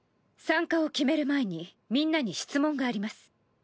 参加を決める前にみんなに質問があります。